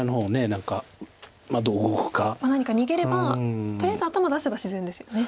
何か逃げればとりあえず頭出せば自然ですよね。